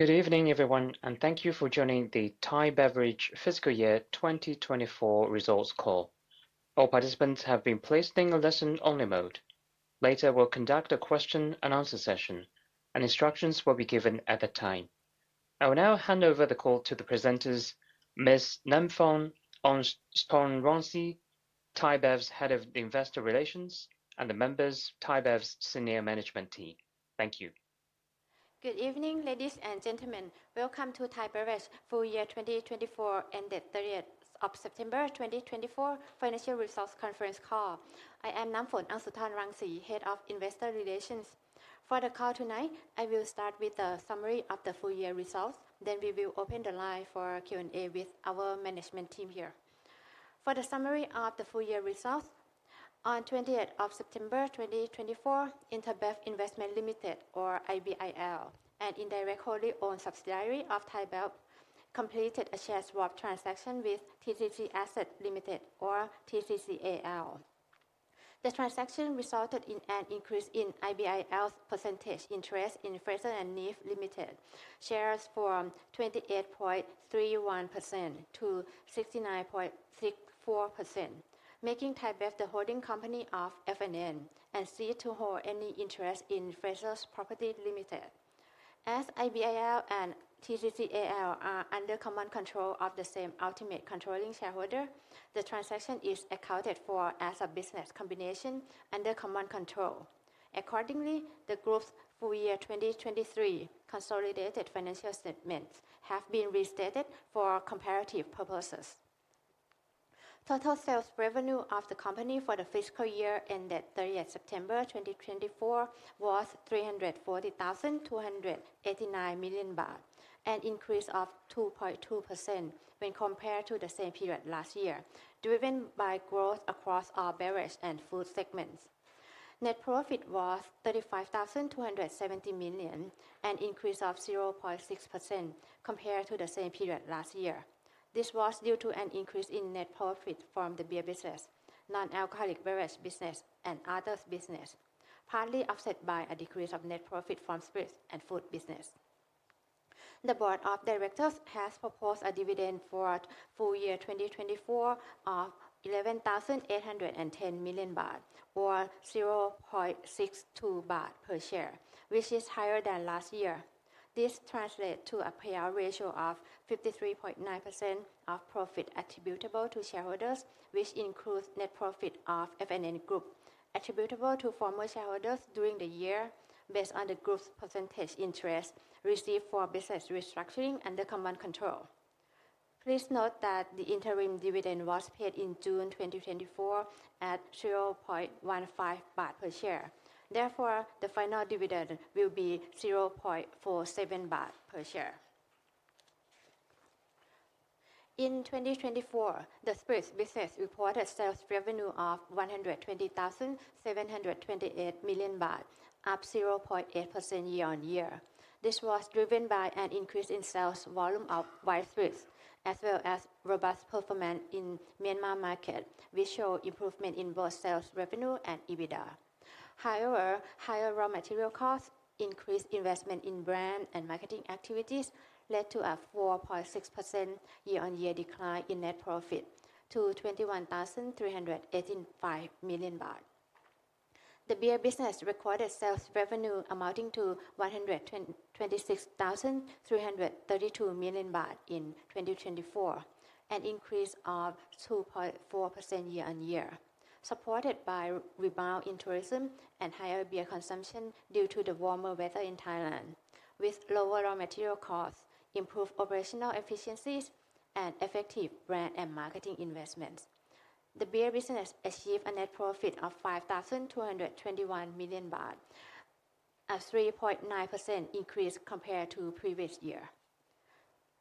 Good evening, everyone, and thank you for joining the Thai Beverage Fiscal Year 2024 results call. All participants have been placed in a listen-only mode. Later, we'll conduct a question-and-answer session, and instructions will be given at that time. I will now hand over the call to the presenters, Ms. Namfon Aungsutornrungsi, Thai Bev's Head of Investor Relations, and the members, Thai Bev's Senior Management Team. Thank you. Good evening, ladies and gentlemen. Welcome to Thai Beverage Full Year 2024 and the 30th of September 2024 Financial Results Conference call. I am Namfon Aungsutornrungsi, Head of Investor Relations. For the call tonight, I will start with the summary of the full year results. Then we will open the line for Q&A with our management team here. For the summary of the full year results, on 28th of September 2024, InterBev Investment Limited, or IBIL, an indirectly owned subsidiary of Thai Bev, completed a share swap transaction with TCC Assets Limited, or TCCAL. The transaction resulted in an increase in IBIL's percentage interest in Fraser & Neave Limited shares from 28.31% to 69.64%, making Thai Bev the holding company of F&N and ceased to hold any interest in Frasers Property Limited. As IBIL and TCCAL are under common control of the same ultimate controlling shareholder, the transaction is accounted for as a business combination under common control. Accordingly, the group's full year 2023 consolidated financial statements have been restated for comparative purposes. Total sales revenue of the company for the fiscal year ended 30th September 2024 was 340,289 million baht, an increase of 2.2% when compared to the same period last year, driven by growth across all beverage and food segments. Net profit was 35,270 million, an increase of 0.6% compared to the same period last year. This was due to an increase in net profit from the beer business, non-alcoholic beverage business, and other businesses, partly offset by a decrease of net profit from spirits and food business. The board of directors has proposed a dividend for full year 2024 of 11,810 million baht, or 0.62 baht per share, which is higher than last year. This translates to a payout ratio of 53.9% of profit attributable to shareholders, which includes net profit of F&N Group attributable to former shareholders during the year based on the group's percentage interest received for business restructuring under common control. Please note that the interim dividend was paid in June 2024 at 0.15 baht per share. Therefore, the final dividend will be 0.47 baht per share. In 2024, the spirits business reported sales revenue of 120,728 million baht, up 0.8% year on year. This was driven by an increase in sales volume of white spirits, as well as robust performance in the Myanmar market, which showed improvement in both sales revenue and EBITDA. However, higher raw material costs, increased investment in brand and marketing activities led to a 4.6% year-on-year decline in net profit to 21,385 million baht. The beer business recorded sales revenue amounting to 126,332 million baht in 2024, an increase of 2.4% year on year, supported by rebound in tourism and higher beer consumption due to the warmer weather in Thailand, with lower raw material costs, improved operational efficiencies, and effective brand and marketing investments. The beer business achieved a net profit of 5,221 million baht, a 3.9% increase compared to the previous year.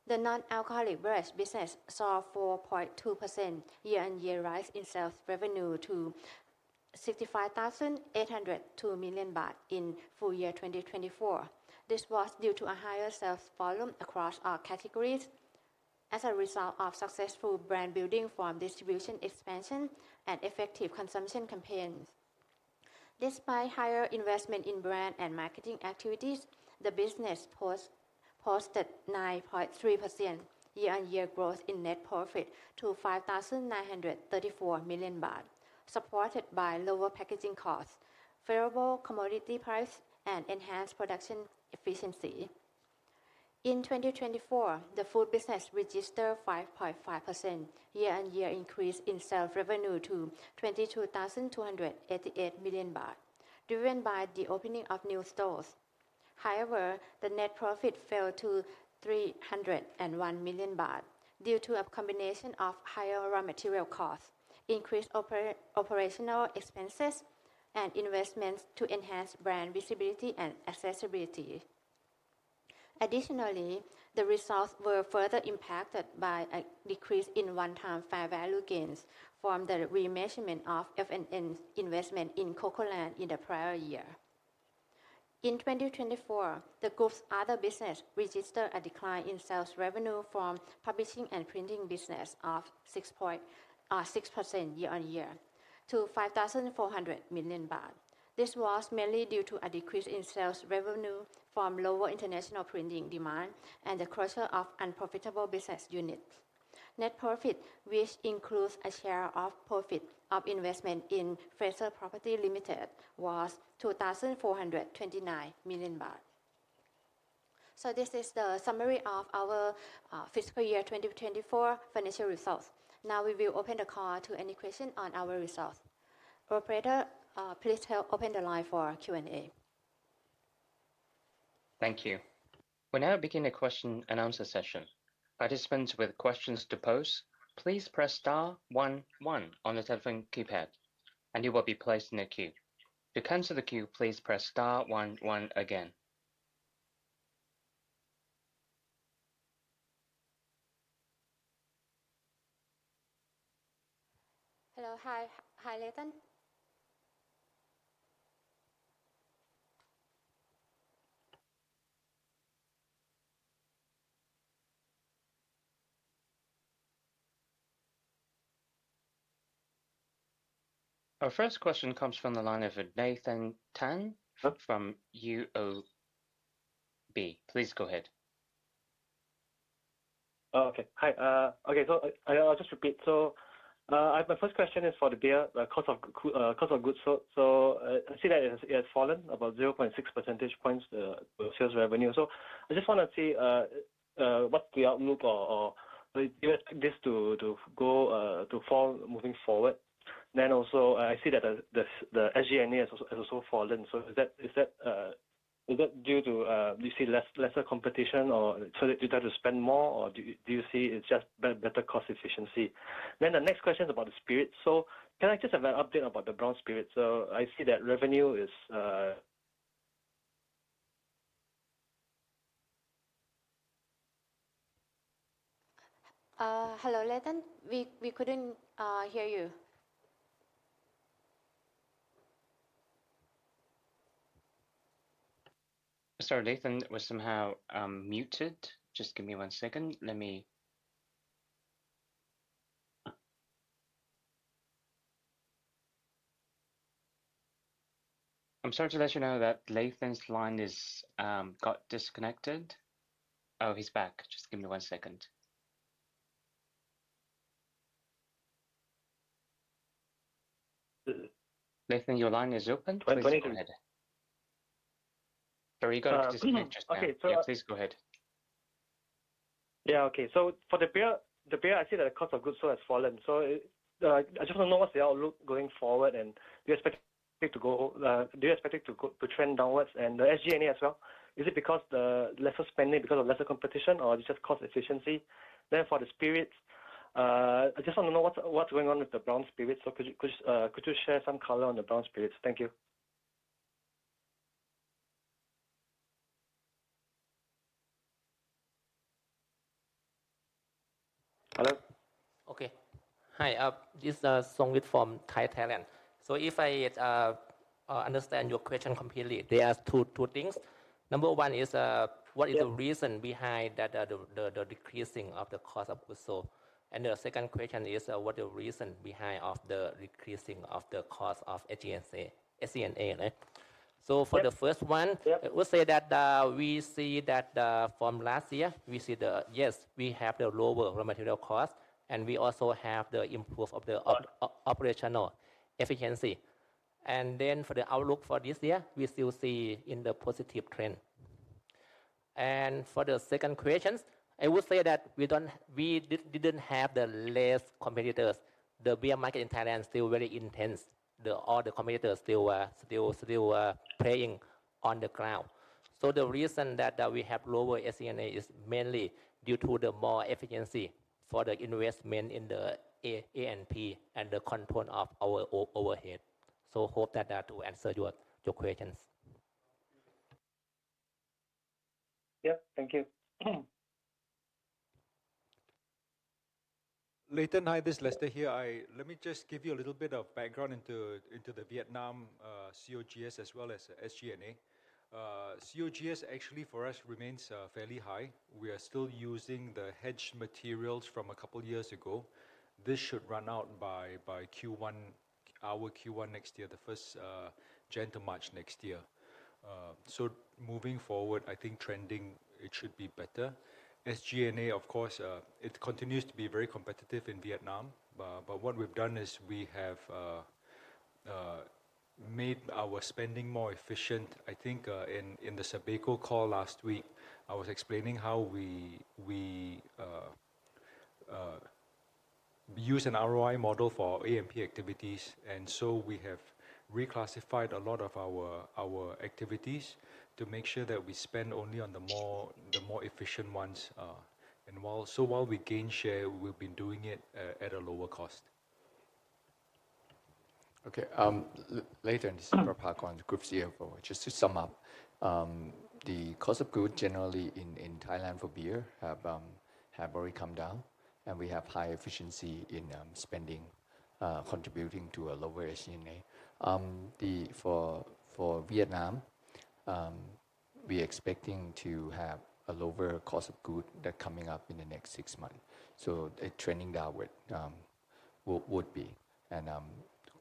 The non-alcoholic beverage business saw a 4.2% year-on-year rise in sales revenue to 65,802 million baht in full year 2024. This was due to a higher sales volume across all categories as a result of successful brand building from distribution expansion and effective consumption campaigns. Despite higher investment in brand and marketing activities, the business posted 9.3% year-on-year growth in net profit to 5,934 million baht, supported by lower packaging costs, favorable commodity price, and enhanced production efficiency. In 2024, the food business registered a 5.5% year-on-year increase in sales revenue to 22,288 million baht, driven by the opening of new stores. However, the net profit fell to 301 million baht due to a combination of higher raw material costs, increased operational expenses, and investments to enhance brand visibility and accessibility. Additionally, the results were further impacted by a decrease in one-time fair value gains from the remeasurement of F&N's investment in Cocoland in the prior year. In 2024, the group's other business registered a decline in sales revenue from publishing and printing business of 6.6% year-on-year to 5,400 million baht. This was mainly due to a decrease in sales revenue from lower international printing demand and the closure of unprofitable business units. Net profit, which includes a share of profit of investment in Frasers Property Limited, was 2,429 million baht. This is the summary of our fiscal year 2024 financial results. Now we will open the call to any questions on our results. Operator, please help open the line for Q&A. Thank you. We now begin the question-and-answer session. Participants with questions to pose, please press star 11 on the telephone keypad, and you will be placed in a queue. To cancel the queue, please press star 11 again. Hello. Hi. Hi, Lathan. Our first question comes from the line of Lathan Tan from UOB. Please go ahead. So I'll just repeat. So my first question is for the beer, the cost of goods. So I see that it has fallen about 0.6 percentage points, the sales revenue. So I just want to see what's the outlook or do you expect this to go to fall moving forward? Then also, I see that the SG&A has also fallen. So is that due to, do you see lesser competition, or do you have to spend more, or do you see it's just better cost efficiency? Then the next question is about the spirits. So can I just have an update about the brown spirits? So I see that revenue is. Hello, Lathan. We couldn't hear you. Sorry, Lathan was somehow muted. Just give me one second. Let me. I'm sorry to let you know that Lathan's line has got disconnected. Oh, he's back. Just give me one second. Lathan, your line is open? Wait, wait. There you go. Okay. Yeah, please go ahead. Yeah, okay. So for the beer, I see that the cost of goods has fallen. So I just want to know what's the outlook going forward, and do you expect it to go? Do you expect it to trend downwards? And the SG&A as well, is it because of lesser spending, because of lesser competition, or is it just cost efficiency? Then for the spirits, I just want to know what's going on with the brown spirits. So could you share some color on the brown spirits? Thank you. Hello? Okay. Hi. This is Songwit from ThaiBev Thailand. So if I understand your question completely, there are two things. Number one is, what is the reason behind the decreasing of the cost of goods? And the second question is, what is the reason behind the decreasing of the cost of SG&A? So for the first one, we say that we see that from last year, we see that yes, we have the lower raw material cost, and we also have the improvement of the operational efficiency. And then for the outlook for this year, we still see in the positive trend. And for the second question, I would say that we didn't have the less competitors. The beer market in Thailand is still very intense. All the competitors still playing on the ground. So the reason that we have lower SG&A is mainly due to the more efficiency for the investment in the A&P and the control of our overhead. So hope that that will answer your questions. Yep. Thank you. Lathan, hi, this is Lester here. Let me just give you a little bit of background into the Vietnam COGS as well as SG&A. COGS actually for us remains fairly high. We are still using the hedged materials from a couple of years ago. This should run out by our Q1 next year, the first quarter March next year. So moving forward, I think trending, it should be better. SG&A, of course, it continues to be very competitive in Vietnam. But what we've done is we have made our spending more efficient. I think in the SABECO call last week, I was explaining how we use an ROI model for A&P activities. And so we have reclassified a lot of our activities to make sure that we spend only on the more efficient ones. And so while we gain share, we've been doing it at a lower cost. Okay. Lathan and Sithichai Chaikriangkrai, Group CFO. Just to sum up, the cost of goods generally in Thailand for beer have already come down, and we have high efficiency in spending contributing to a lower SG&A. For Vietnam, we are expecting to have a lower cost of goods coming up in the next six months. So the trending downward would be and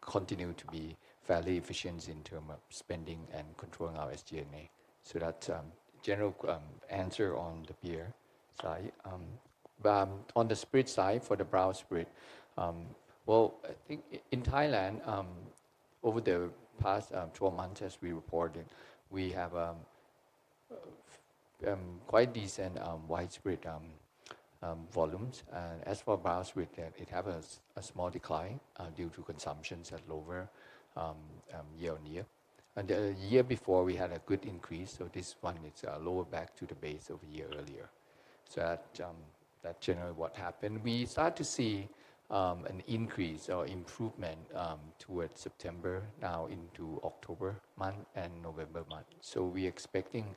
continue to be fairly efficient in terms of spending and controlling our SG&A. So that's the general answer on the beer side. But on the spirits side for the brown spirits, well, I think in Thailand, over the past 12 months, as we reported, we have quite decent widespread volumes. And as for brown spirits, it has a small decline due to consumption set lower year on year. And the year before, we had a good increase. So this one is lower back to the base of a year earlier. So that's generally what happened. We start to see an increase or improvement towards September now into October month and November month. So we are expecting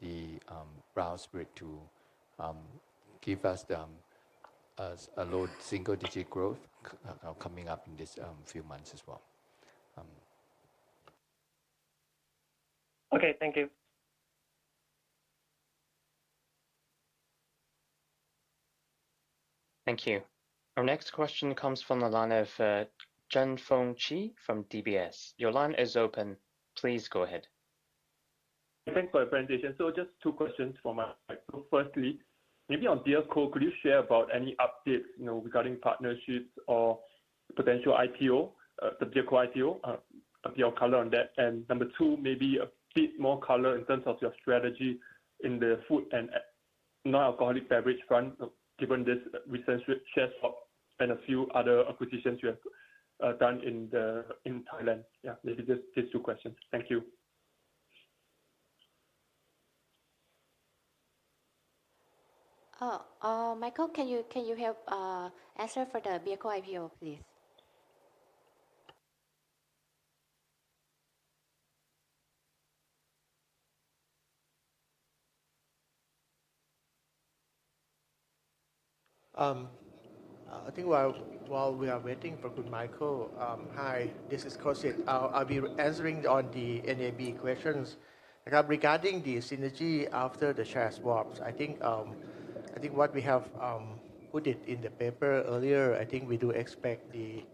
the brown spirit to give us a low single-digit growth coming up in this few months as well. Okay. Thank you. Thank you. Our next question comes from the line of Chee Zhen Feng from DBS. Your line is open. Please go ahead. Thanks for the presentation. So just two questions for Mike. So firstly, maybe on BeerCo, could you share about any updates regarding partnerships or potential IPO, the BeerCo IPO? A bit of color on that. And number two, maybe a bit more color in terms of your strategy in the food and non-alcoholic beverage front, given this recent share swap and a few other acquisitions you have done in Thailand. Yeah, maybe just these two questions. Thank you. Michael, can you help answer for the BeerCo IPO, please? I think while we are waiting for Mike, hi, this is Kosit. I'll be answering on the NAB questions. Regarding the synergy after the share swaps, I think what we have put in the paper earlier, I think we do expect a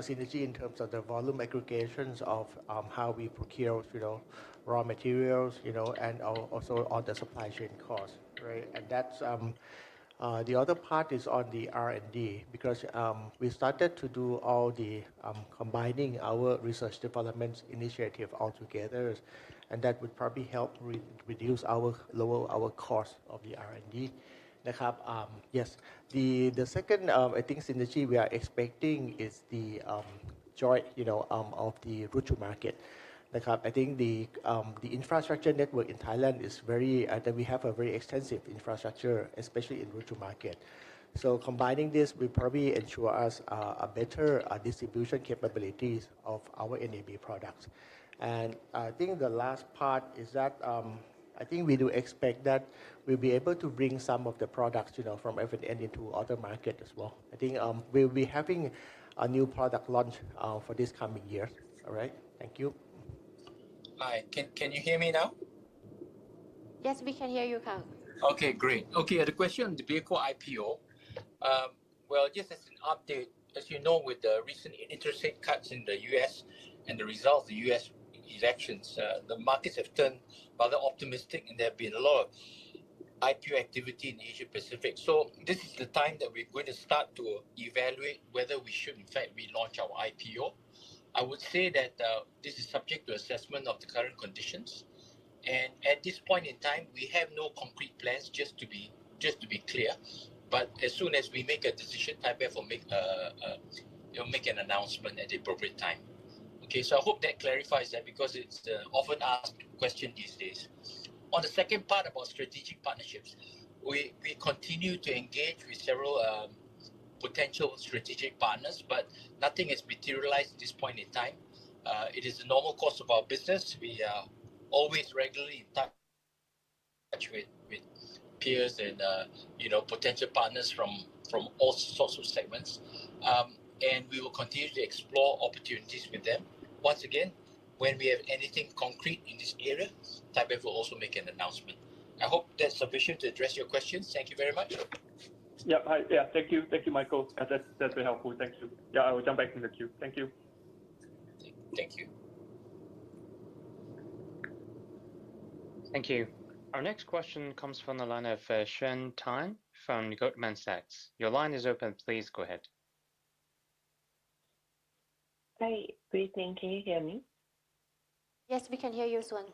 synergy in terms of the volume aggregations of how we procure raw materials and also on the supply chain cost. And the other part is on the R&D because we started to do all the combining our research development initiative altogether, and that would probably help reduce our cost of the R&D. Yes. The second, I think, synergy we are expecting is the joint of the retail market. I think the infrastructure network in Thailand is very that we have a very extensive infrastructure, especially in retail market. So combining this will probably ensure us a better distribution capabilities of our NAB products. And I think the last part is that I think we do expect that we'll be able to bring some of the products from F&N into other markets as well. I think we'll be having a new product launch for this coming year. All right. Thank you. Hi. Can you hear me now? Yes, we can hear you, Kang. Okay, great. Okay. The question on the DEARCO IPO, well, just as an update, as you know, with the recent interest rate cuts in the U.S. and the result of the U.S. elections, the markets have turned rather optimistic, and there have been a lot of IPO activity in Asia-Pacific. So this is the time that we're going to start to evaluate whether we should, in fact, relaunch our IPO. I would say that this is subject to assessment of the current conditions. And at this point in time, we have no concrete plans, just to be clear. But as soon as we make a decision, Thai Beverage will make an announcement at the appropriate time. Okay. So I hope that clarifies that because it's an often-asked question these days. On the second part about strategic partnerships, we continue to engage with several potential strategic partners, but nothing has materialized at this point in time. It is the normal course of our business. We are always regularly in touch with peers and potential partners from all sorts of segments. We will continue to explore opportunities with them. Once again, when we have anything concrete in this area, Thai Beverage will also make an announcement. I hope that's sufficient to address your questions. Thank you very much. Yep. Hi. Yeah. Thank you. Thank you, Michael. That's very helpful. Thank you. Yeah, I will jump back into the queue. Thank you. Thank you. Thank you. Our next question comes from the line of Xuan Tan from Goldman Sachs. Your line is open. Please go ahead. Hi. Great. Thank you. Can you hear me? Yes, we can hear you, Swan.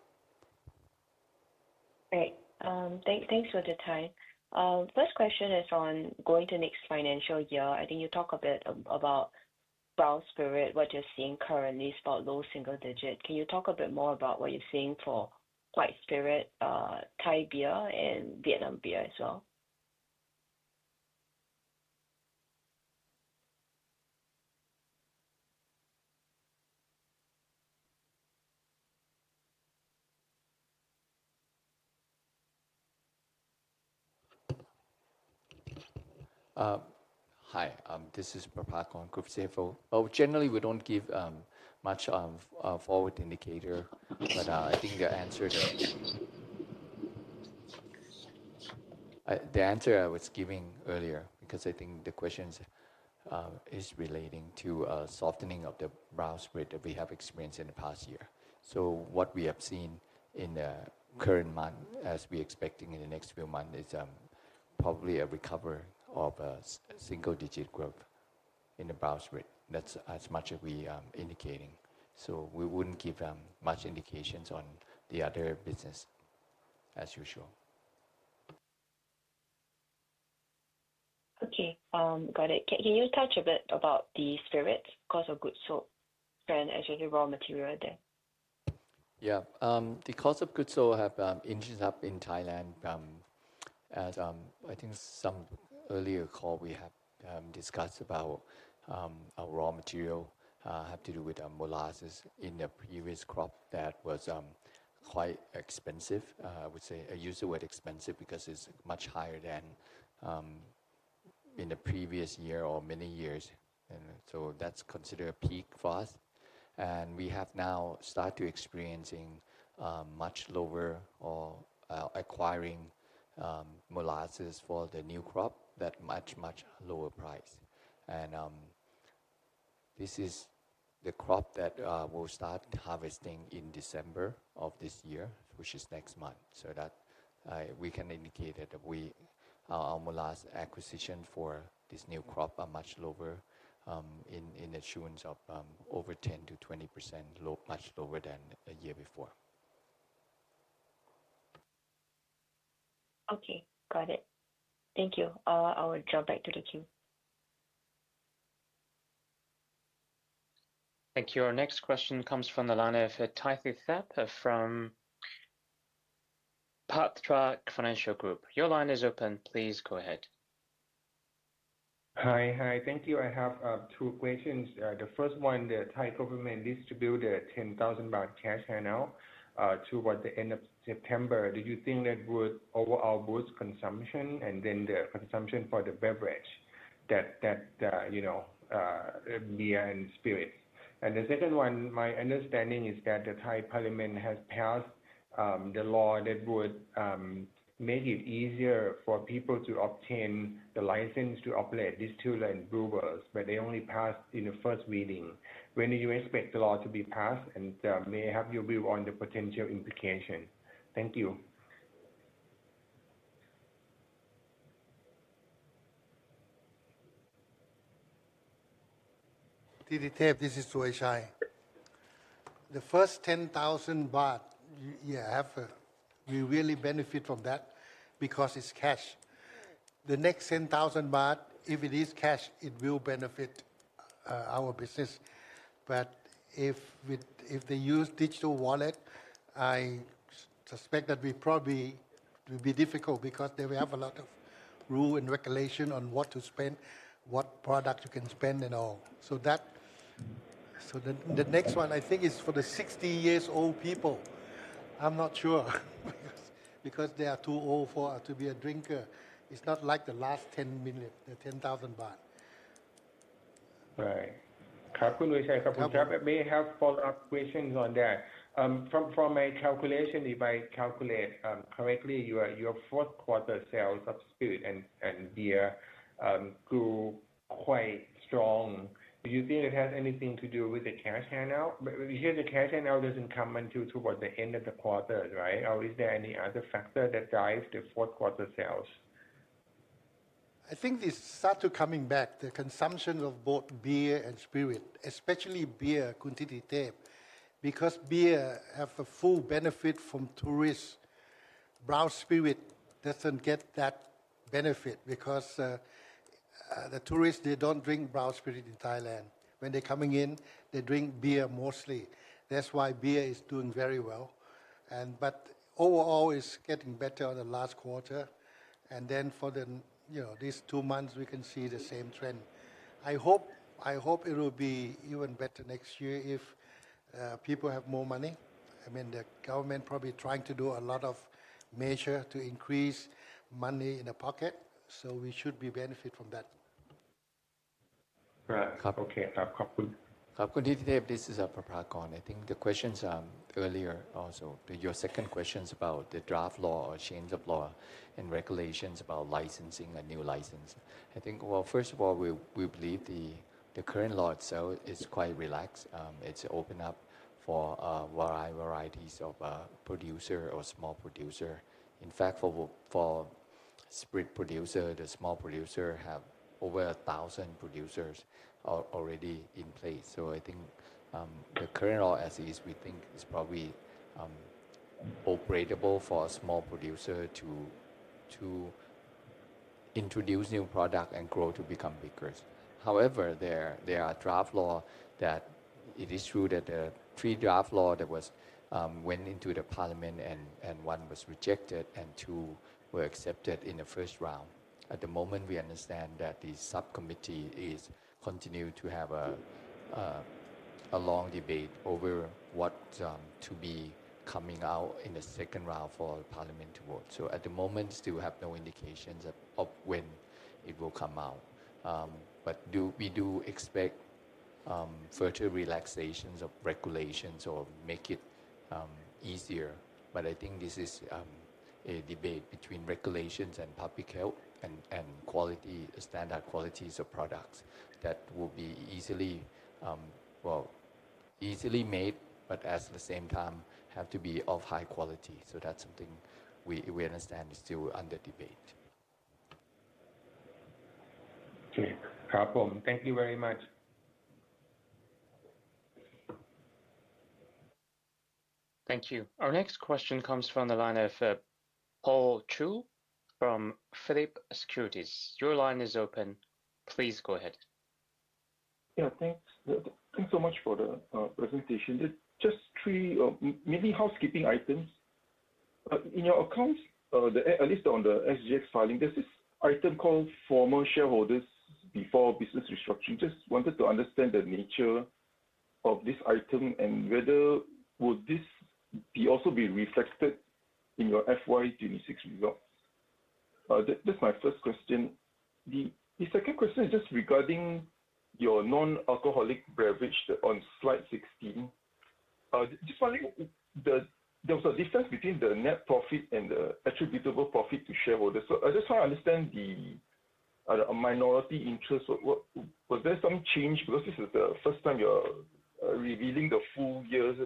Great. Thanks for the time. First question is on going to next financial year. I think you talk a bit about brown spirits, what you're seeing currently is about low single digit. Can you talk a bit more about what you're seeing for white spirits, Thai beer, and Vietnam beer as well? Hi. This is Sithichai Chaikriangkrai, Group CFO. Generally, we don't give much forward indicator, but I think the answer to the answer I was giving earlier because I think the question is relating to a softening of the brown spirits that we have experienced in the past year. So what we have seen in the current month, as we're expecting in the next few months, is probably a recovery of a single-digit growth in the brown spirits. That's as much as we are indicating. So we wouldn't give much indications on the other business as usual. Okay. Got it. Can you touch a bit about the spirits, cost of goods sold, and especially raw material there? Yeah. The cost of goods sold has been in Thailand. As I think some earlier call, we have discussed about our raw material has to do with molasses in the previous crop that was quite expensive. I would say I use the word expensive because it's much higher than in the previous year or many years. And so that's considered a peak for us. And we have now started to experience much lower or acquiring molasses for the new crop at much, much lower price. And this is the crop that we'll start harvesting in December of this year, which is next month. So that we can indicate that our molasses acquisition for this new crop are much lower in assurance of over 10%-20%, much lower than a year before. Okay. Got it. Thank you. I will jump back to the queue. Thank you. Our next question comes from the line of Thitithep Nophaket from Kiatnakin Phatra Financial Group. Your line is open. Please go ahead. Hi. Hi. Thank you. I have two questions. The first one, the Thai government distributed a 10,000 baht cash handout towards the end of September. Do you think that would overall boost consumption and then the consumption for the beverage, that beer and spirits? And the second one, my understanding is that the Thai Parliament has passed the law that would make it easier for people to obtain the license to operate distiller and brewers, but they only passed in the first meeting. When do you expect the law to be passed and may have your view on the potential implications? Thank you. This is Sithichai. The first 10,000 baht, yeah, we really benefit from that because it's cash. The next 10,000 baht, if it is cash, it will benefit our business. But if they use digital wallet, I suspect that it will be difficult because they will have a lot of rules and regulations on what to spend, what products you can spend and all. So the next one, I think, is for the 60-year-old people. I'm not sure because they are too old to be a drinker. It's not like the last 10,000 baht. Right. Thank you, Sithichai. May I have a follow-up question on that? From my calculation, if I calculate correctly, your fourth-quarter sales of spirit and beer grew quite strong. Do you think it has anything to do with the cash handout? But you said the cash handout doesn't come until toward the end of the quarter, right? Or is there any other factor that drives the fourth-quarter sales? I think it's started coming back, the consumption of both beer and spirit, especially beer, Kuntit Thap, because beer has a full benefit from tourists. Brown spirit doesn't get that benefit because the tourists, they don't drink brown spirit in Thailand. When they're coming in, they drink beer mostly. That's why beer is doing very well. But overall, it's getting better in the last quarter. And then for these two months, we can see the same trend. I hope it will be even better next year if people have more money. I mean, the government is probably trying to do a lot of measures to increase money in the pocket. So we should benefit from that. Right. Okay. Thank you. Kosit, this is Sithichai Chaikriangkrai. I think the questions earlier also, your second question is about the draft law or change of law and regulations about licensing a new license. I think, well, first of all, we believe the current law itself is quite relaxed. It's opened up for a wide variety of producers or small producers. In fact, for spirit producers, the small producers have over 1,000 producers already in place. So I think the current law, as is, we think, is probably operable for a small producer to introduce new products and grow to become bigger. However, there are draft laws that it is true that the three draft laws that went into the Parliament and one was rejected and two were accepted in the first round. At the moment, we understand that the subcommittee is continuing to have a long debate over what to be coming out in the second round for the Parliament to vote. So at the moment, still have no indications of when it will come out. But we do expect further relaxations of regulations or make it easier. But I think this is a debate between regulations and public health and standard qualities of products that will be easily made, but at the same time, have to be of high quality. So that's something we understand is still under debate. Okay. Thank you very much. Thank you. Our next question comes from the line of Paul Chew from Phillip Securities. Your line is open. Please go ahead. Yeah. Thanks so much for the presentation. Just three mainly housekeeping items. In your accounts, at least on the SGX filing, there's this item called former shareholders before business restructuring. Just wanted to understand the nature of this item and whether would this also be reflected in your FY26 results. That's my first question. The second question is just regarding your non-alcoholic beverage on slide 16. Just wondering, there was a difference between the net profit and the attributable profit to shareholders. So I just want to understand the minority interest. Was there some change because this is the first time you're revealing the full year's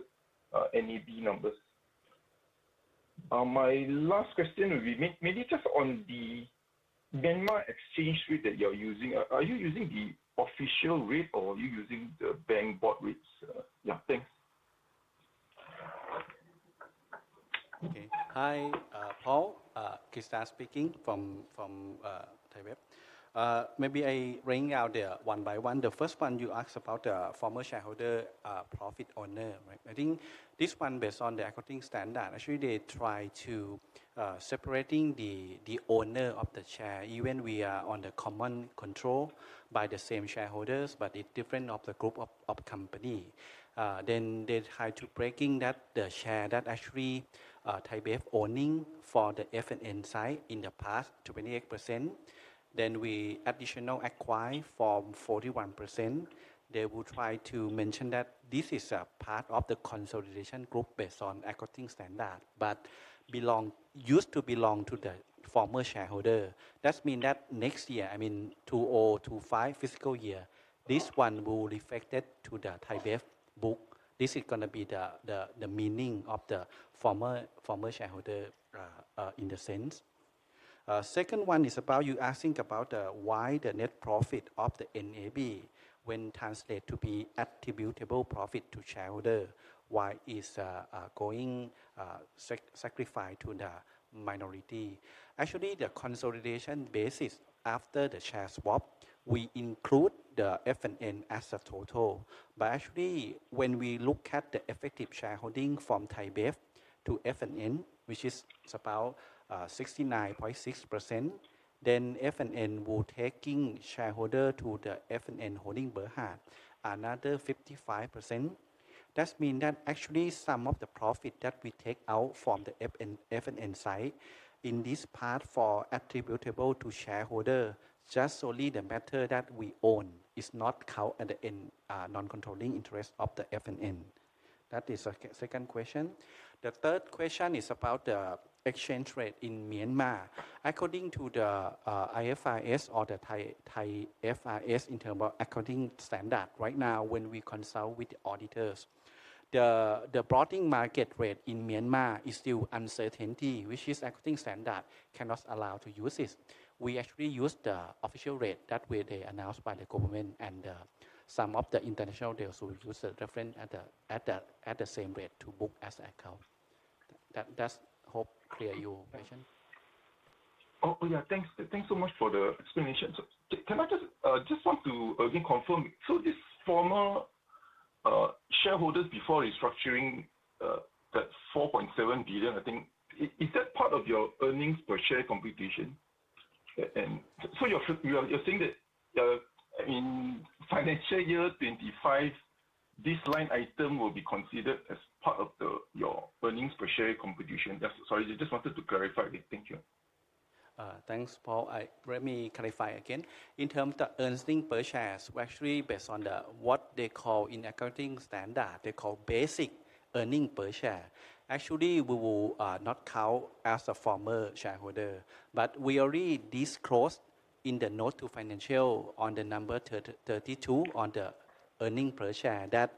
NAB numbers? My last question would be maybe just on the Myanmar exchange rate that you're using. Are you using the official rate or are you using the black market rates? Yeah. Thanks. Okay. Hi, Paul. Kosit Suksingha speaking from Thai Beverage. Maybe I rang out there one by one. The first one you asked about the former shareholder profit owner, right? I think this one, based on the accounting standard, actually, they try to separate the owner of the share. Even we are on the common control by the same shareholders, but it's different of the group of company. Then they try to break that the share that actually Thai Beverage owning for the F&N side in the past, 28%. Then we additional acquire for 41%. They will try to mention that this is a part of the consolidation group based on accounting standard, but used to belong to the former shareholder. That means that next year, I mean, 2025 fiscal year, this one will reflect it to the Thai Beverage book. This is going to be the meaning of the former shareholder in the sense. Second one is about you asking about why the net profit of the NAB when translated to be attributable profit to shareholder, why it's going sacrificed to the minority. Actually, the consolidation basis after the share swap, we include the F&N as a total. But actually, when we look at the effective shareholding from Thai Beverage to F&N, which is about 69.6%, then F&N will take shareholders to the F&N holding burden, another 55%. That means that actually some of the profit that we take out from the F&N side in this part for attributable to shareholder, just solely the matter that we own is not counted at the end non-controlling interest of the F&N. That is the second question. The third question is about the exchange rate in Myanmar. According to the IFRS or the Thai FRS Interim Accounting Standard, right now, when we consult with auditors, the forward market rate in Myanmar is still uncertain, which the accounting standard cannot allow to use it. We actually use the official rate that were announced by the government and some of the international deals will use the reference at the same rate to book as account. I hope that clears your question? Oh, yeah. Thanks so much for the explanation. Can I just want to again confirm? So these former shareholders before restructuring, that 4.7 billion, I think, is that part of your earnings per share computation? And so you're saying that in financial year 2025, this line item will be considered as part of your earnings per share computation. Sorry, I just wanted to clarify. Thank you. Thanks, Paul. Let me clarify again. In terms of earnings per share, we actually based on what they call in accounting standard, they call basic earnings per share. Actually, we will not count as a former shareholder. But we already disclosed in the note to financial on the number 32 on the earnings per share that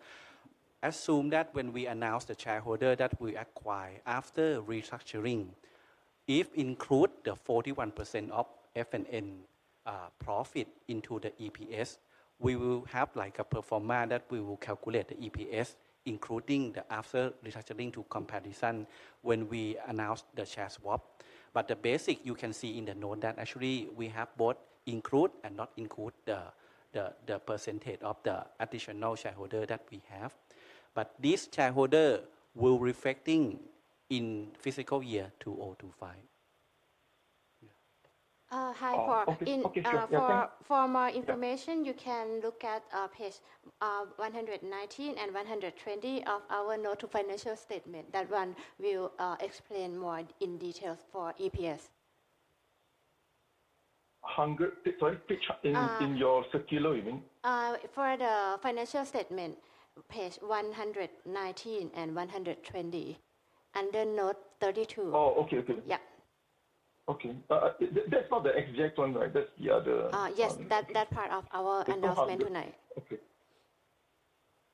assume that when we announce the shareholder that we acquire after restructuring, if include the 41% of F&N profit into the EPS, we will have a pro forma that we will calculate the EPS, including the after restructuring to comparison when we announce the share swap. But the basic you can see in the note that actually we have both include and not include the percentage of the additional shareholder that we have. But this shareholder will reflect in fiscal year 2025. Hi, Paul. For more information, you can look at page 119 and 120 of our note to financial statement. That one will explain more in details for EPS. Sorry? In your circular, you mean? For the financial statement, page 119 and 120, under note 32. Oh, okay. Okay. Yep. Okay. That's not the exact one, right? That's the other. Yes, that part of our announcement tonight. Okay.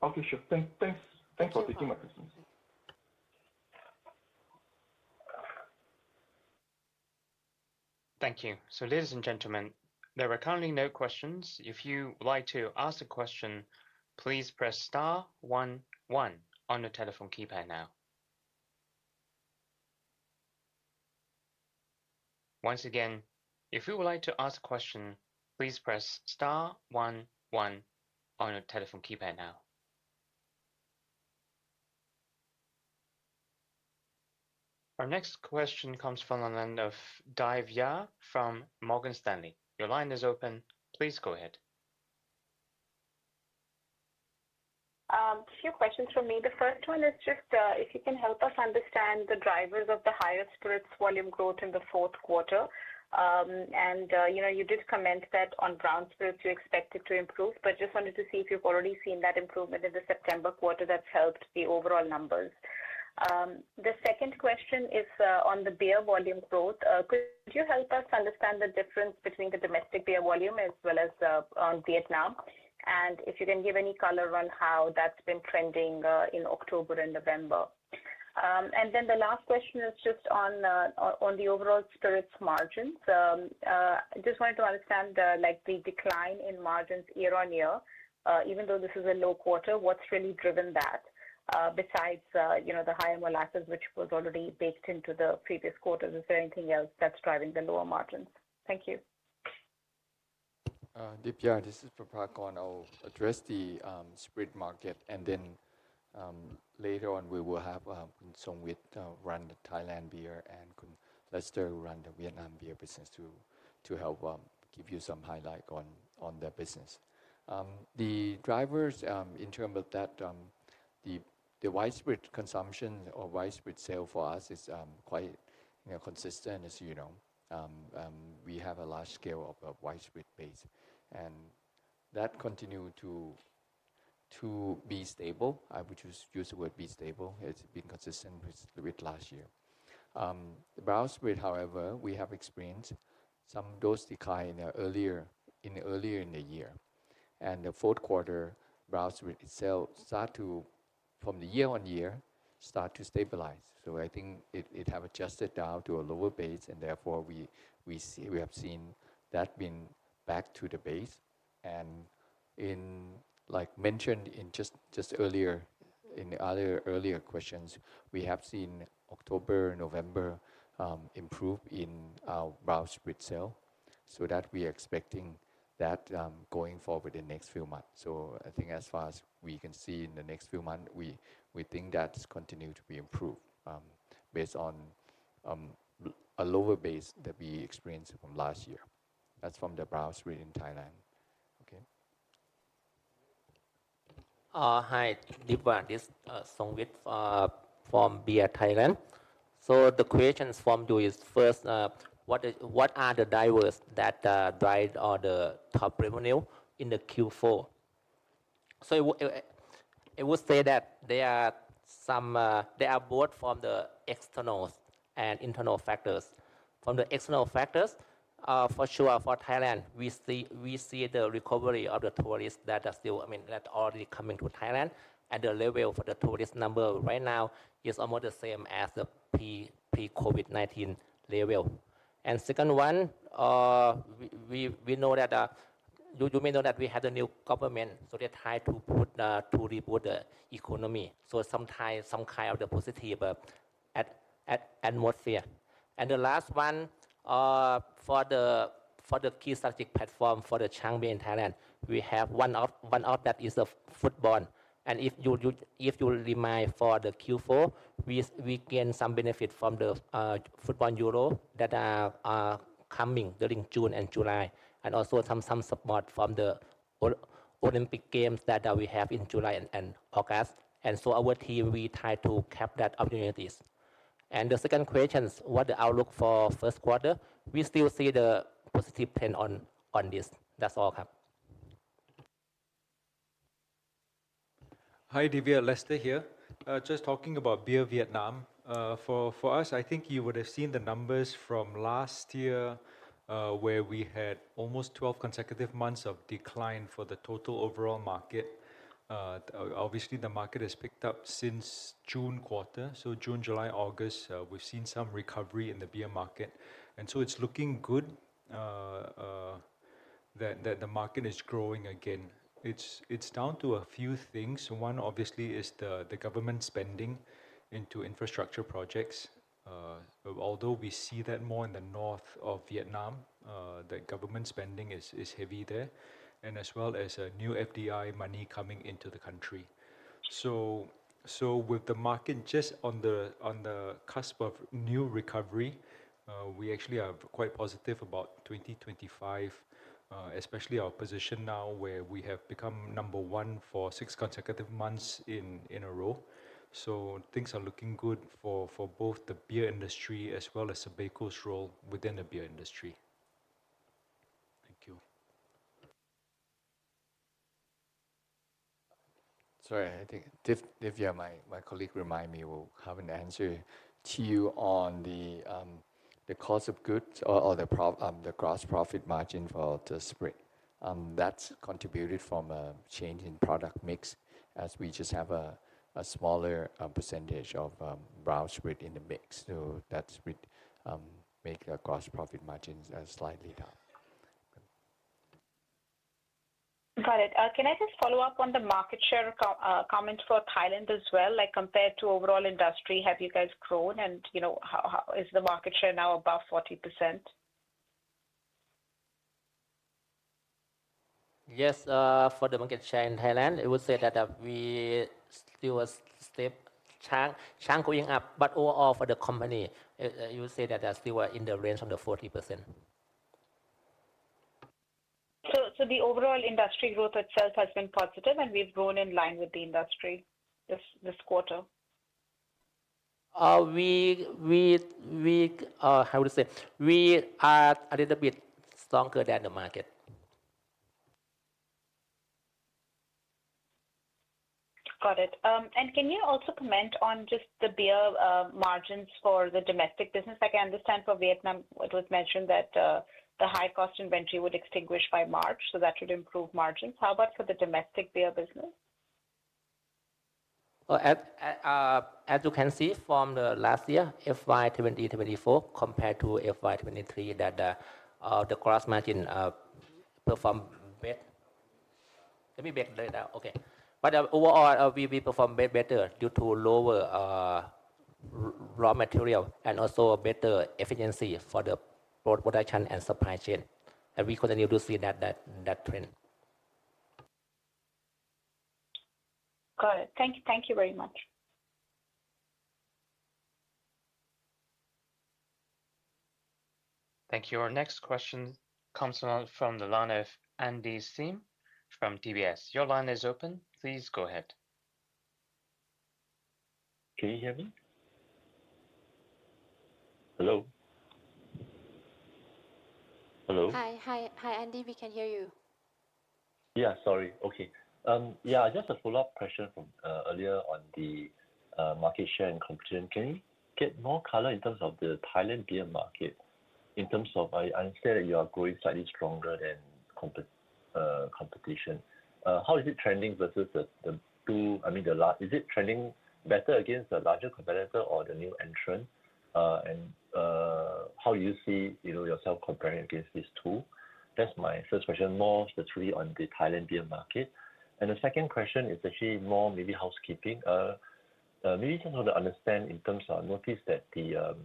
Okay. Sure. Thanks for taking my questions. Thank you. So, ladies and gentlemen, there are currently no questions. If you would like to ask a question, please press star 11 on the telephone keypad now. Once again, if you would like to ask a question, please press star 11 on your telephone keypad now. Our next question comes from the line of Divya Gangahar from Morgan Stanley. Your line is open. Please go ahead. few questions from me. The first one is just if you can help us understand the drivers of the higher spirits volume growth in the fourth quarter. And you did comment that on brown spirits, you expect it to improve, but just wanted to see if you've already seen that improvement in the September quarter that's helped the overall numbers. The second question is on the beer volume growth. Could you help us understand the difference between the domestic beer volume as well as Vietnam? And if you can give any color on how that's been trending in October and November. And then the last question is just on the overall spirits margins. Just wanted to understand the decline in margins year on year. Even though this is a low quarter, what's really driven that besides the higher molasses, which was already baked into the previous quarters? Is there anything else that's driving the lower margins? Thank you. Divya, this is Sithichai Chaikriangkrai. I'll address the spirit market, and then later on, we will have Khun Songwit run the Thailand beer and Khun Lester run the Vietnam beer business to help give you some highlights on the business. The drivers in terms of that, the white spirit consumption or white spirit sale for us is quite consistent, as you know. We have a large scale of white spirit base, and that continued to be stable. I would just use the word be stable. It's been consistent with last year. The brown spirit, however, we have experienced some decline earlier in the year, and the fourth quarter, brown spirit sales start to, from year on year, start to stabilize, so I think it has adjusted down to a lower base, and therefore, we have seen that been back to the base. Like mentioned just earlier in the other earlier questions, we have seen October, November improve in brown spirits sales. So that we are expecting that going forward in the next few months. So I think as far as we can see in the next few months, we think that's continued to be improved based on a lower base that we experienced from last year. That's from the Brown Spirits in Thailand. Okay. Hi, Divya. This is Songwit from Beer Thailand. So the questions from you is first, what are the drivers that drive the top revenue in the Q4? So I would say that there are some they are both from the external and internal factors. From the external factors, for sure, for Thailand, we see the recovery of the tourists that are still, I mean, that are already coming to Thailand. The level for the tourist number right now is almost the same as the pre-COVID-19 level. Second one, we know that you may know that we have a new government. So they try to reboot the economy. So some kind of the positive atmosphere. The last one, for the key strategic platform for the Chang in Thailand, we have one of that is the football. If you remember for the Q4, we gain some benefit from the football euro that are coming during June and July. Also some support from the Olympic Games that we have in July and August. So our team, we try to capture that opportunities. The second question, what the outlook for first quarter? We still see the positive trend on this. That's all. Hi, Divya. Lester here. Just talking about Beer Vietnam, for us, I think you would have seen the numbers from last year where we had almost 12 consecutive months of decline for the total overall market. Obviously, the market has picked up since June quarter. So June, July, August, we've seen some recovery in the beer market. And so it's looking good that the market is growing again. It's down to a few things. One, obviously, is the government spending into infrastructure projects. Although we see that more in the north of Vietnam, that government spending is heavy there. And as well as new FDI money coming into the country. So with the market just on the cusp of new recovery, we actually are quite positive about 2025, especially our position now where we have become number one for six consecutive months in a row. Things are looking good for both the beer industry as well as the BeerCo's role within the beer industry. Thank you. Sorry, I think Divya, my colleague, reminded me we'll have an answer to you on the cost of goods or the gross profit margin for the spirit. That's contributed from a change in product mix as we just have a smaller percentage of brown spirit in the mix. So that's made the gross profit margins slightly down. Got it. Can I just follow up on the market share comments for Thailand as well? Compared to overall industry, have you guys grown? And is the market share now above 40%? Yes. For the market share in Thailand, I would say that we still are seeing Chang going up. But overall for the company, you would say that they're still in the range of the 40%. So the overall industry growth itself has been positive, and we've grown in line with the industry this quarter? How would you say? We are a little bit stronger than the market. Got it. And can you also comment on just the beer margins for the domestic business? I can understand for Vietnam, it was mentioned that the high-cost inventory would extinguish by March, so that would improve margins. How about for the domestic beer business? As you can see from the last year, FY 2024 compared to FY 2023, that the gross margin performed better. Let me back that down. Okay. But overall, we performed better due to lower raw material and also better efficiency for the production and supply chain. And we continue to see that trend. Got it. Thank you very much. Thank you. Our next question comes from the line of Andy Sim from DBS. Your line is open. Please go ahead. Can you hear me? Hello. Hello. Hi. Hi, Andy. We can hear you. Yeah, sorry. Okay. Yeah, just a follow-up question from earlier on the market share and competition. Can you get more color in terms of the Thailand beer market? In terms of, I understand that you are growing slightly stronger than competition. How is it trending versus the two, I mean, the last? Is it trending better against the larger competitor or the new entrant? And how do you see yourself comparing against these two? That's my first question, more specifically on the Thailand beer market. And the second question is actually more maybe housekeeping. Maybe just want to understand in terms of I noticed that the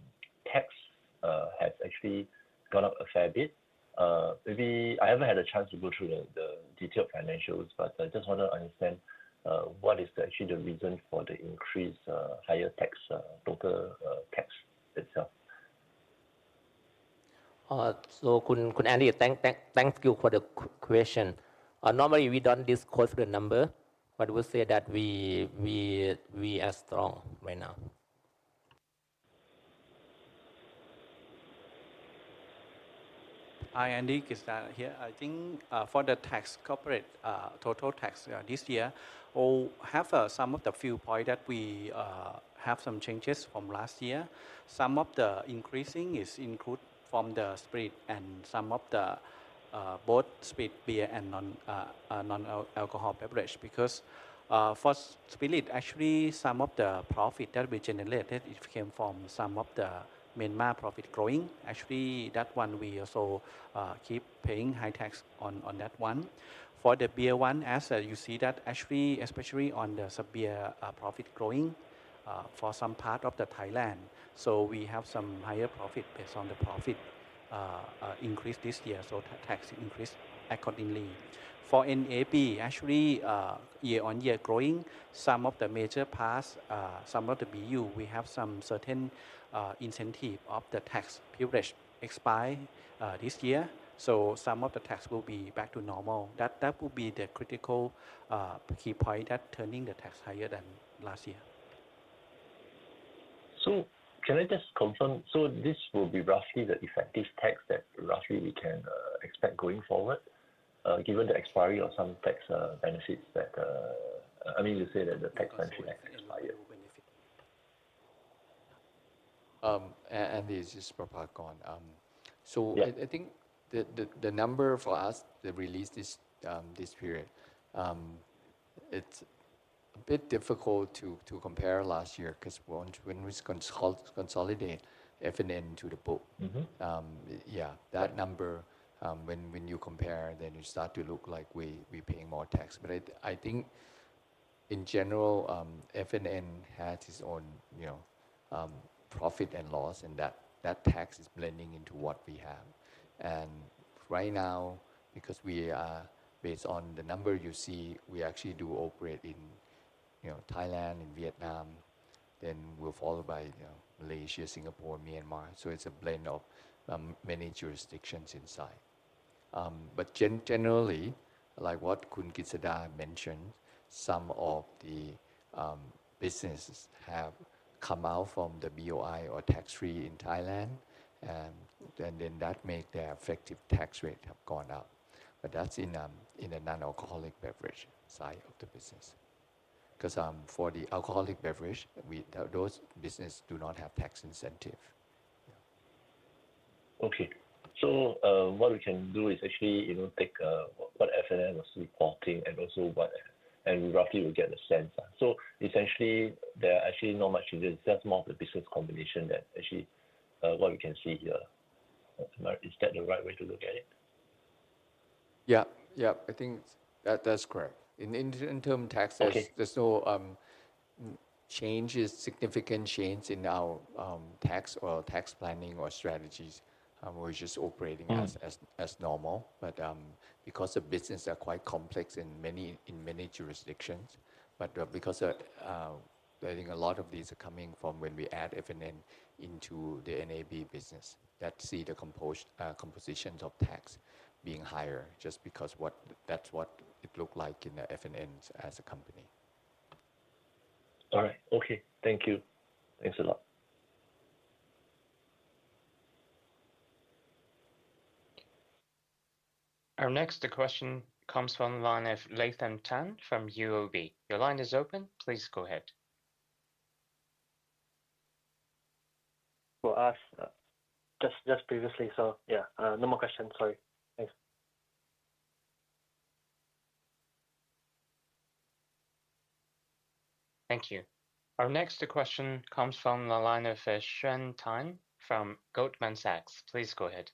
tax has actually gone up a fair bit. Maybe I haven't had a chance to go through the detailed financials, but I just want to understand what is actually the reason for the increase, higher tax, local tax itself. So, Andy, thank you for the question. Normally, we don't disclose the number, but we would say that we are strong right now. Hi, Andy. Kosit Suksingha here. I think for the corporate total tax this year, we'll have some of the few points that we have some changes from last year. Some of the increasing is included from the spirit and some of the both spirit beer and non-alcohol beverage. Because for spirit, actually, some of the profit that we generated, it came from some of the Myanmar profit growing. Actually, that one we also keep paying high tax on that one. For the beer one, as you see that actually, especially on the beer profit growing for some part of Thailand. So we have some higher profit based on the profit increase this year. So tax increase accordingly. For NAB, actually, year on year growing, some of the major parts, some of the BU, we have some certain incentive of the tax period expires this year. So some of the tax will be back to normal. That will be the critical key point that turning the tax higher than last year. So can I just confirm? So this will be roughly the effective tax that roughly we can expect going forward, given the expiry of some tax benefits that I mean, you say that the tax benefit has expired. Andy is just probably gone. So I think the number for us to release this period, it's a bit difficult to compare last year because when we consolidate F&N into the book, yeah, that number, when you compare, then you start to look like we're paying more tax. But I think in general, F&N has its own profit and loss, and that tax is blending into what we have. And right now, because we are based on the number you see, we actually do operate in Thailand, in Vietnam, then we're followed by Malaysia, Singapore, Myanmar. So it's a blend of many jurisdictions inside. But generally, like what Kosit mentioned, some of the businesses have come out from the BOI or tax-free in Thailand, and then that made their effective tax rate have gone up. But that's in the non-alcoholic beverage side of the business. Because for the alcoholic beverage, those businesses do not have tax incentive. Okay. So what we can do is actually take what F&N was reporting and also what and roughly we'll get a sense. So essentially, there are actually not much changes. It's just more of the business combination that actually what we can see here. Is that the right way to look at it? Yeah. Yeah. I think that's correct. In terms of taxes, there's no changes, significant changes in our tax or tax planning or strategies. We're just operating as normal. But because the business are quite complex in many jurisdictions, but because I think a lot of these are coming from when we add F&N into the NAB business, that see the compositions of tax being higher just because that's what it looked like in the F&N as a company. All right. Okay. Thank you. Thanks a lot. Our next question comes from line of Lathan Tan from UOB. Your line is open. Please go ahead. For us, just previously. So yeah, no more questions. Sorry. Thanks. Thank you. Our next question comes from the line of Xuan Tan from Goldman Sachs. Please go ahead.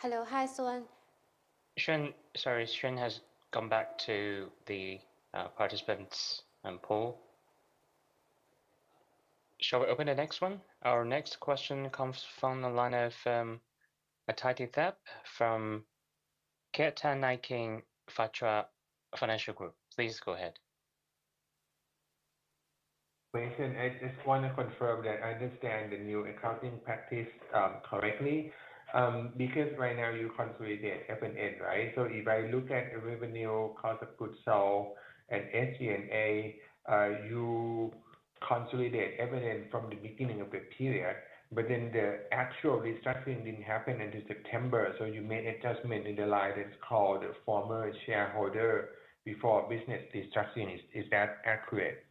Hello. Hi, Xuan. Xuan, sorry, Xuan has gone back to the participants' poll. Shall we open the next one? Our next question comes from the line of Thitithep Nophaket from Kiatnakin Phatra Financial Group. Please go ahead. I just want to confirm that I understand the new accounting practice correctly. Because right now, you consolidate F&N, right? So if I look at the revenue, cost of goods sold, and SG&A, you consolidate F&N from the beginning of the period, but then the actual restructuring didn't happen until September. So you made adjustment in the line that's called former shareholder before business restructuring. Is that accurate?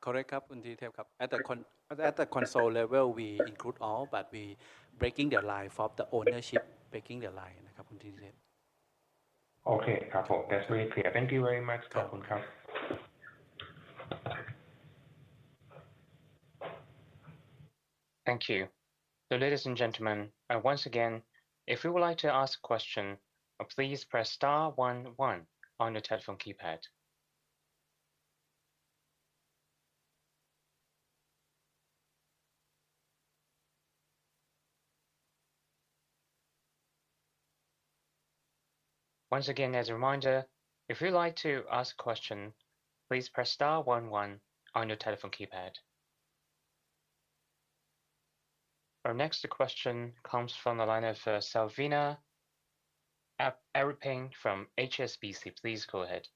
Correct, Kunsong. At the console level, we include all, but we're breaking the line for the ownership, breaking the line. Okay. That's very clear. Thank you very much. Thank you. Thank you, so ladies and gentlemen, once again, if you would like to ask a question, please press star 11 on the telephone keypad. Once again, as a reminder, if you'd like to ask a question, please press star 11 on your telephone keypad. Our next question comes from the line of Selviana Awing from HSBC. Please go ahead.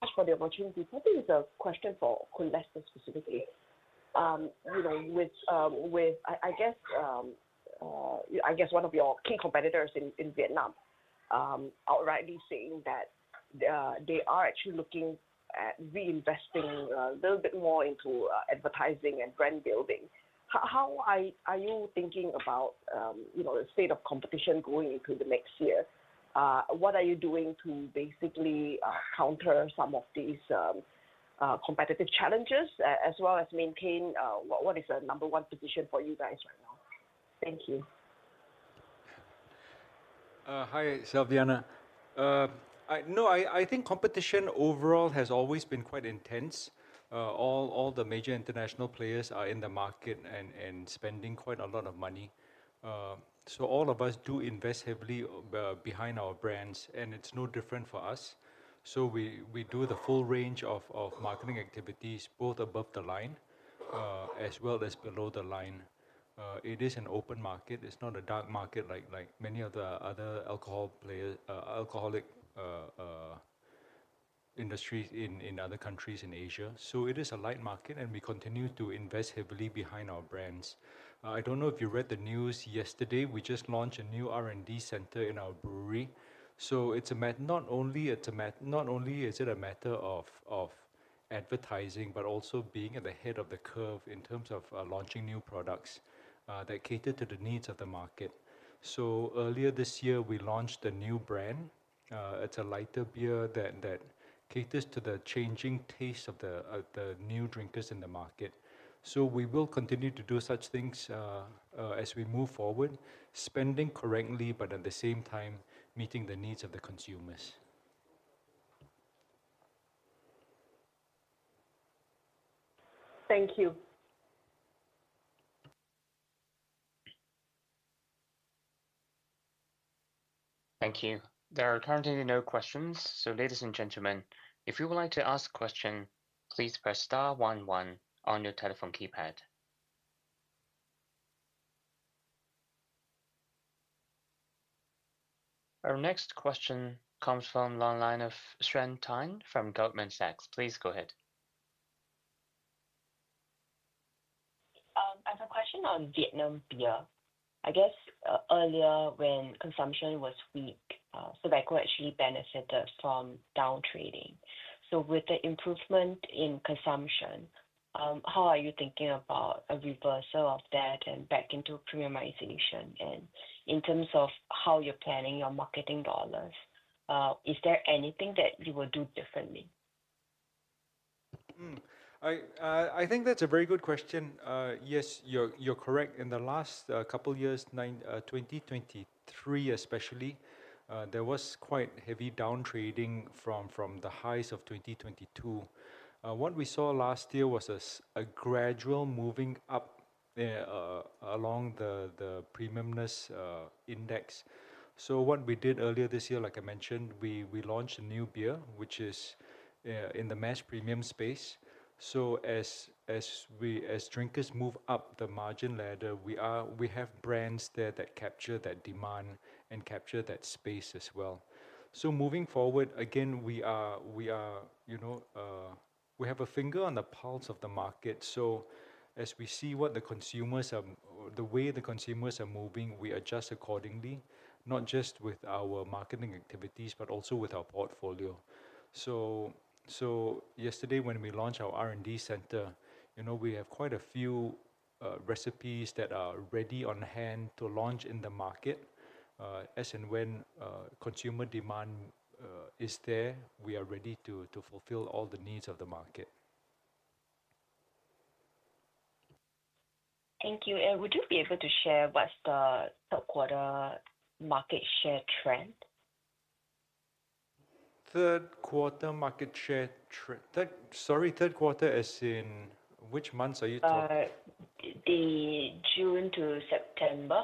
Thanks for the opportunity. Probably it's a question for Khun Song specifically. I guess one of your key competitors in Vietnam are rightly saying that they are actually looking at reinvesting a little bit more into advertising and brand building. How are you thinking about the state of competition going into the next year? What are you doing to basically counter some of these competitive challenges as well as maintain what is the number one position for you guys right now? Thank you. Hi, Selviana. No, I think competition overall has always been quite intense. All the major international players are in the market and spending quite a lot of money. So all of us do invest heavily behind our brands, and it's no different for us. So we do the full range of marketing activities, both above the line as well as below the line. It is an open market. It's not a dark market like many of the other alcoholic industries in other countries in Asia. So it is a light market, and we continue to invest heavily behind our brands. I don't know if you read the news yesterday. We just launched a new R&D center in our brewery. So it's not only is it a matter of advertising, but also being at the head of the curve in terms of launching new products that cater to the needs of the market. So earlier this year, we launched the new brand. It's a lighter beer that caters to the changing tastes of the new drinkers in the market. So we will continue to do such things as we move forward, spending correctly, but at the same time meeting the needs of the consumers. Thank you. Thank you. There are currently no questions. So ladies and gentlemen, if you would like to ask a question, please press star 11 on your telephone keypad. Our next question comes from the line of Xuan Tan from Goldman Sachs. Please go ahead. I have a question on Vietnam beer. I guess earlier when consumption was weak, the beer actually benefited from downtrading. So with the improvement in consumption, how are you thinking about a reversal of that and back into premiumization? And in terms of how you're planning your marketing dollars, is there anything that you will do differently? I think that's a very good question. Yes, you're correct. In the last couple of years, 2023 especially, there was quite heavy downtrading from the highs of 2022. What we saw last year was a gradual moving up along the premiumness index. So what we did earlier this year, like I mentioned, we launched a new beer, which is in the mass premium space. So as drinkers move up the margin ladder, we have brands there that capture that demand and capture that space as well. So moving forward, again, we have a finger on the pulse of the market. So as we see what the consumers are, the way the consumers are moving, we adjust accordingly, not just with our marketing activities, but also with our portfolio. So yesterday, when we launched our R&D center, we have quite a few recipes that are ready on hand to launch in the market. As and when consumer demand is there, we are ready to fulfill all the needs of the market. Thank you. And would you be able to share what's the third-quarter market share trend? Third-quarter market share trend. Sorry, third quarter as in which months are you talking? The June to September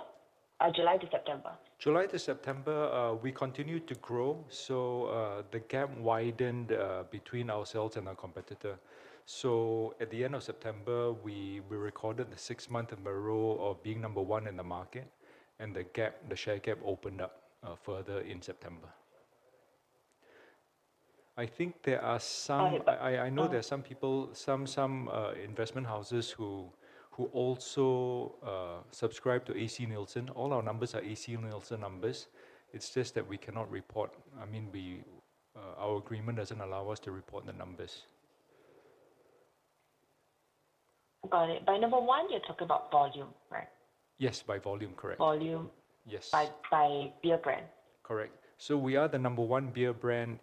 or July to September. July to September, we continued to grow. So the gap widened between ourselves and our competitor. So at the end of September, we recorded the six-month envelope of being number one in the market, and the share gap opened up further in September. I think there are some. I know there are some investment houses who also subscribe to AC Nielsen. All our numbers are AC Nielsen numbers. It's just that we cannot report. I mean, our agreement doesn't allow us to report the numbers. Got it. By number one, you're talking about volume, right? Yes, by volume, correct. Volume, by beer brand. Correct, so we are the number one beer brand.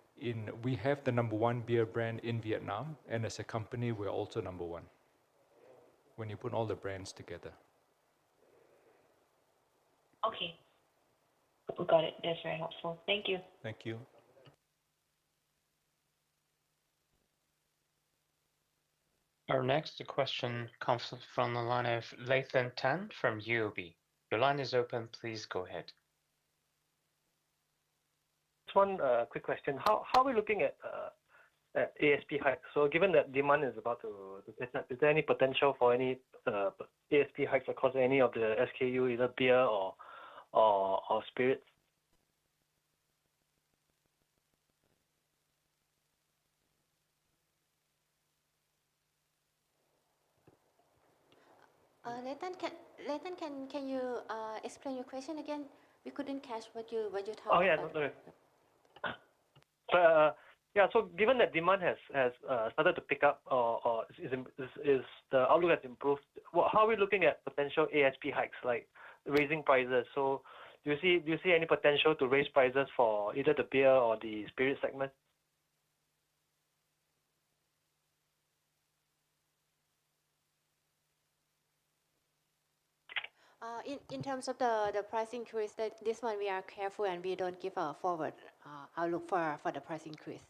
We have the number one beer brand in Vietnam, and as a company, we're also number one when you put all the brands together. Okay. Got it. That's very helpful. Thank you. Thank you. Our next question comes from line of Lathan Tan from UOB. Your line is open. Please go ahead. This one, quick question. How are we looking at ASP hikes? So given that demand is about to, is there any potential for any ASP hikes across any of the SKU, either beer or spirits? Lathan, can you explain your question again? We couldn't catch what you're talking about. Oh, yeah. Yeah. So given that demand has started to pick up or the outlook has improved, how are we looking at potential ASP hikes, like raising prices? So do you see any potential to raise prices for either the beer or the spirit segment? In terms of the price increase, this one, we are careful, and we don't give a forward outlook for the price increase.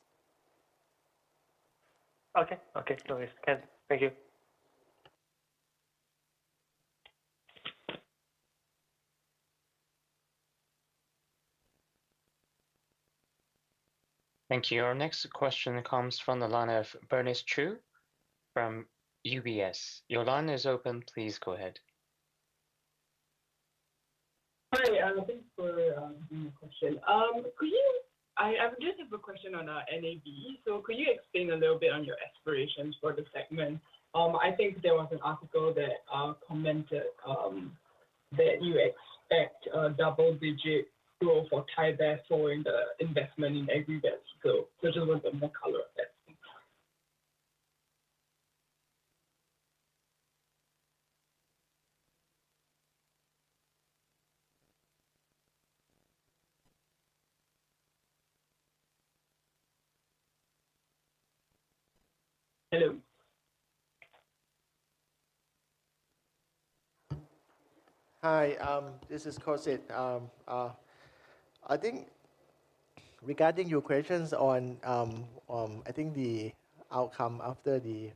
Okay. Okay. No worries. Thank you. Thank you. Our next question comes from the line of Bernice Chu from UBS. Your line is open. Please go ahead. Hi. Thanks for the question. I just have a question on NAB. So could you explain a little bit on your aspirations for the segment? I think there was an article that commented that you expect a double-digit growth or payback for the investment in aggregate. So just wanted more color on that. Hello. Hi. This is Kosit. I think regarding your questions on, I think, the outcome after the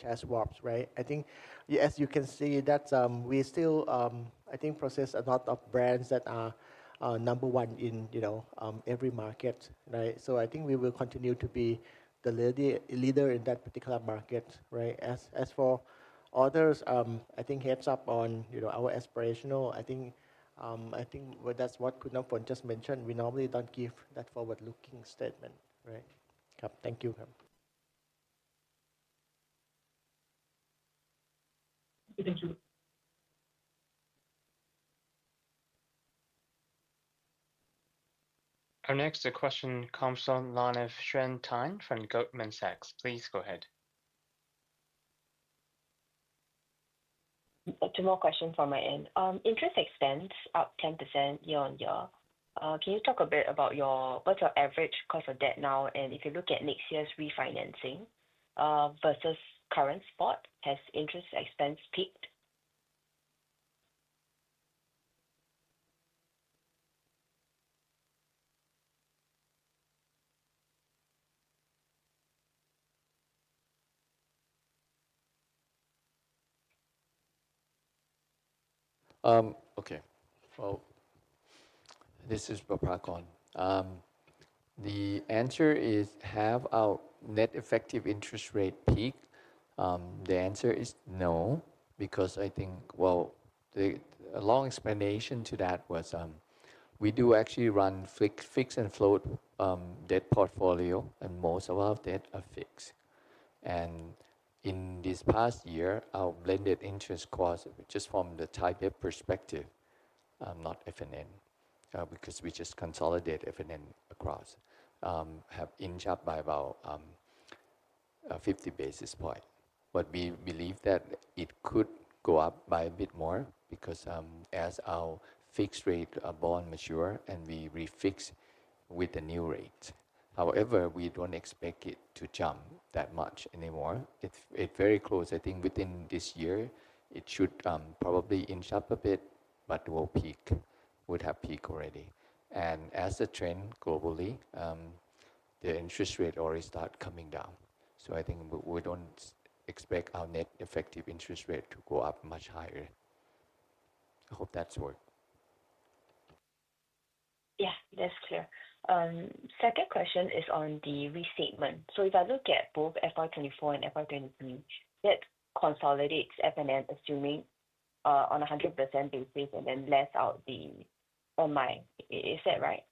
share swaps, right? I think, as you can see, that we still, I think, possess a lot of brands that are number one in every market, right? So I think we will continue to be the leader in that particular market, right? As for others, I think, heads up on our aspirations. I think that's what Kunsong just mentioned. We normally don't give that forward-looking statement, right? Thank you. Thank you. Our next question comes from the line of Xuan Tan from Goldman Sachs. Please go ahead. Two more questions from my end. Interest expense up 10% year on year. Can you talk a bit about what's your average cost of debt now? And if you look at next year's refinancing versus current spot, has interest expense peaked? Okay. This is Prapakon. The answer is, have our net effective interest rate peaked? The answer is no, because I think, well, a long explanation to that was we do actually run fixed and float debt portfolio, and most of our debt are fixed. And in this past year, our blended interest cost, just from the ThaiBev perspective, not F&N, because we just consolidate F&N across, have inched up by about 50 basis points. But we believe that it could go up by a bit more because as our fixed rate bond mature and we refix with the new rate. However, we don't expect it to jump that much anymore. It's very close. I think within this year, it should probably inched up a bit, but it will have peaked already. And as the trend globally, the interest rate already started coming down. So I think we don't expect our net effective interest rate to go up much higher. I hope that works. Yeah, that's clear. Second question is on the restatement. So if I look at both FY24 and FY23, that consolidates F&N assuming on a 100% basis and then less out the minority. Is that right?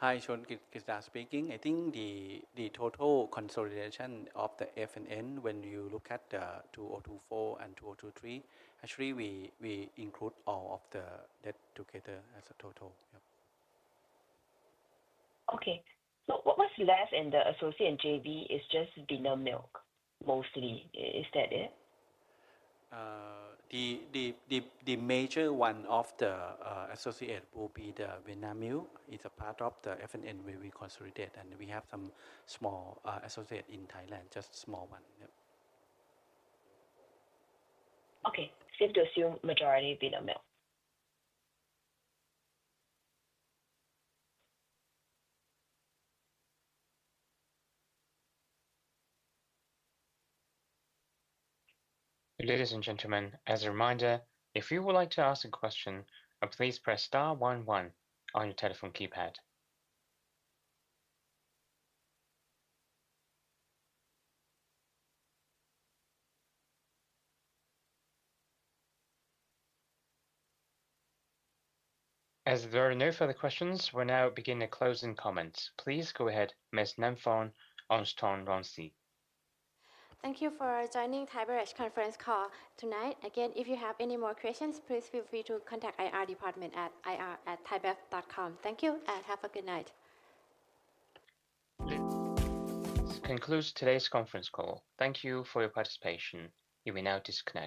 Hi. Hi, Sean Kisdah speaking. I think the total consolidation of the F&N, when you look at the 2024 and 2023, actually we include all of the debt together as a total. Okay. So what was left in the associate JV is just Vinamilk mostly. Is that it? The major one of the associates will be the Vinamilk. It's a part of the F&N where we consolidate, and we have some small associates in Thailand, just a small one. Okay. Same to assume majority Vinamilk. Ladies and gentlemen, as a reminder, if you would like to ask a question, please press star 11 on your telephone keypad. As there are no further questions, we're now beginning a closing comment. Please go ahead, Ms. Namfon Aungsutornrungsi. Thank you for joining ThaiBev's conference call tonight. Again, if you have any more questions, please feel free to contact IR department at ir@thaibev.com. Thank you and have a good night. This concludes today's conference call. Thank you for your participation. You may now disconnect.